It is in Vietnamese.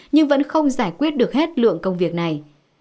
nhưng vẫn không giải quyết được hết lượng công việc này